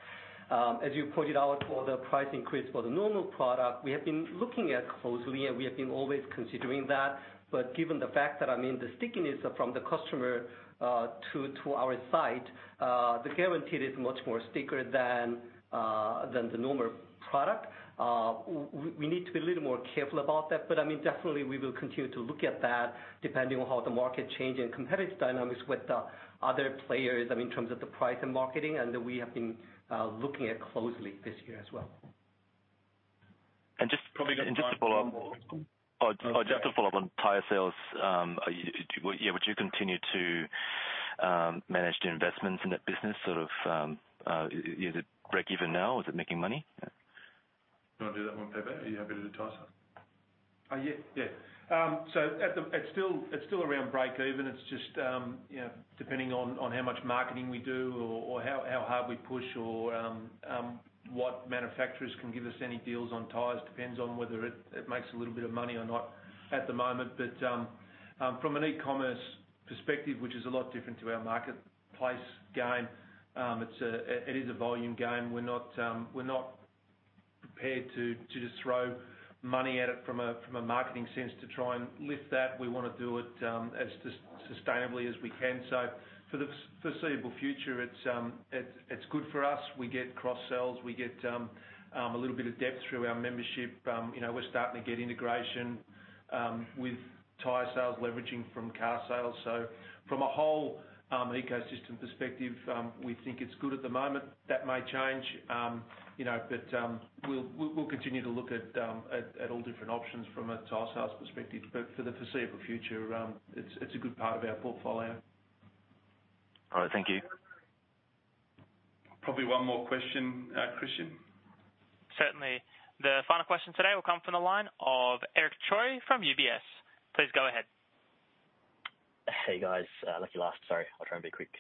As you pointed out, for the price increase for the normal product, we have been looking at closely, and we have been always considering that. But given the fact that, I mean, the stickiness from the customer to our site, the guaranteed is much more stickier than the normal product. We need to be a little more careful about that. But I mean, definitely we will continue to look at that depending on how the market change and competitive dynamics with the other players. I mean, in terms of the price and marketing, and we have been looking at closely this year as well.
Just to follow up. Oh, just to follow up on tire sales, yeah, would you continue to manage the investments in that business, sort of, is it breakeven now? Is it making money?
You want to do that one, Pepe? Are you happy to do Tyresales?
Yeah, yeah. So it's still around breakeven. It's just, you know, depending on how much marketing we do or how hard we push or what manufacturers can give us any deals on tires, depends on whether it makes a little bit of money or not at the moment, but from an e-commerce perspective, which is a lot different to our marketplace game, it's a volume game. We're not prepared to just throw money at it from a marketing sense to try and lift that. We want to do it as sustainably as we can, so for the foreseeable future, it's good for us. We get cross-sales. We get a little bit of depth through our membership. You know, we're starting to get integration with tire sales leveraging from car sales. So from a whole ecosystem perspective, we think it's good at the moment. That may change, you know, but we'll continue to look at all different options from a tire sales perspective. But for the foreseeable future, it's a good part of our portfolio.
All right. Thank you.
Probably one more question, Christian.
Certainly. The final question today will come from the line of Eric Choi from UBS. Please go ahead.
Hey, guys, lucky last. Sorry, I'll try and be quick.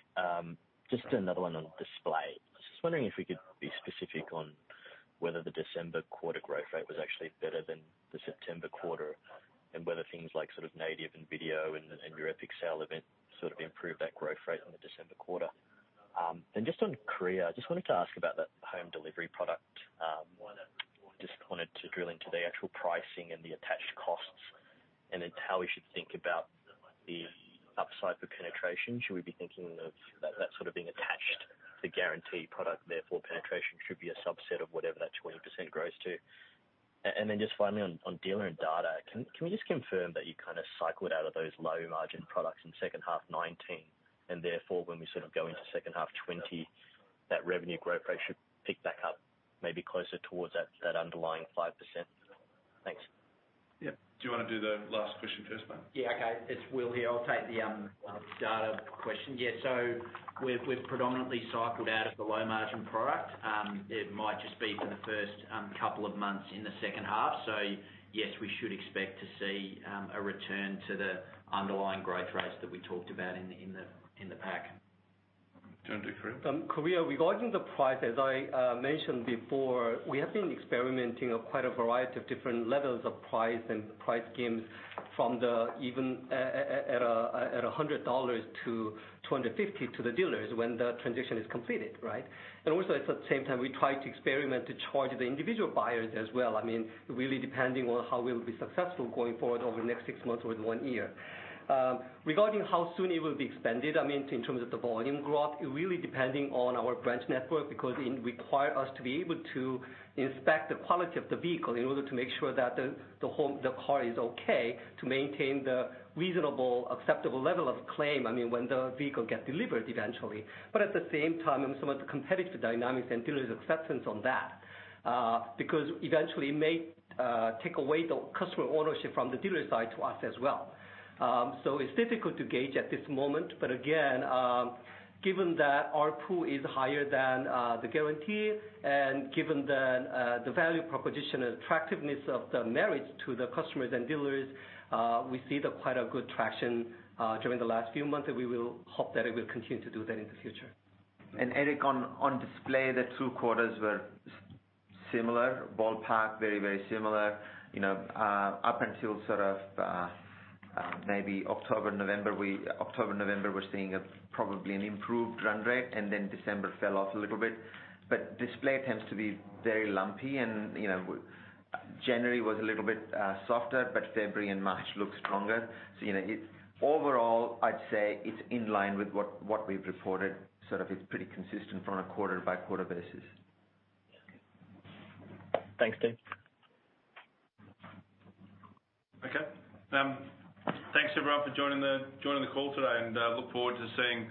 Just another one on display. I was just wondering if we could be specific on whether the December quarter growth rate was actually better than the September quarter, and whether things like sort of native and video and your Epic sale event sort of improved that growth rate on the December quarter? Then just on Korea, I just wanted to ask about that home delivery product. I just wanted to drill into the actual pricing and the attached costs, and then how we should think about the upside for penetration. Should we be thinking of that sort of being attached to guaranteed product, therefore, penetration should be a subset of whatever that 20% grows to? And then just finally, on dealer and data, can we just confirm that you kind of cycled out of those low-margin products in second half 2019, and therefore, when we sort of go into second half 2020, that revenue growth rate should pick back up, maybe closer towards that, that underlying 5%? Thanks.
Yeah. Do you want to do the last question first, mate?
Yeah, okay. It's Will here. I'll take the data question. Yeah, so we've predominantly cycled out of the low-margin product. It might just be for the first couple of months in the second half. So yes, we should expect to see a return to the underlying growth rates that we talked about in the pack.
Turn to Korea.
Korea, regarding the price, as I mentioned before, we have been experimenting of quite a variety of different levels of price and price schemes from even at 100 dollars to 250 to the dealers when the transition is completed, right? And also, at the same time, we try to experiment to charge the individual buyers as well. I mean, really depending on how we'll be successful going forward over the next six months or one year. Regarding how soon it will be expanded, I mean, in terms of the volume growth, it really depending on our branch network, because it require us to be able to inspect the quality of the vehicle in order to make sure that the, the home, the car is okay, to maintain the reasonable, acceptable level of claim, I mean, when the vehicle get delivered eventually. But at the same time, and some of the competitive dynamics and dealers' acceptance on that, because eventually it may take away the customer ownership from the dealer side to us as well. So it's difficult to gauge at this moment, but again, given that our pool is higher than the guarantee and given the value proposition and attractiveness of the marriage to the customers and dealers, we see quite a good traction during the last few months, and we will hope that it will continue to do that in the future.
Eric, on display, the two quarters were similar. Ballpark, very, very similar. You know, up until sort of maybe October, November, we're seeing probably an improved run rate, and then December fell off a little bit. But display tends to be very lumpy, and you know, January was a little bit softer, but February and March look stronger. So, you know, it overall, I'd say it's in line with what we've reported. Sort of, it's pretty consistent from a quarter-by-quarter basis.
Thanks, Tim.
Okay. Thanks everyone for joining the call today, and look forward to seeing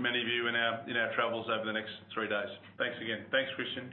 many of you in our travels over the next three days. Thanks again. Thanks, Christian.